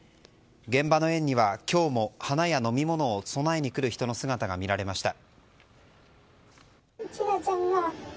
現場の園には今日も花や飲み物を供えに来る人の姿が見られました。